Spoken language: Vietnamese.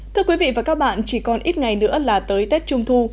thưa quý vị và các bạn chỉ còn ít ngày nữa là tới tết trung thu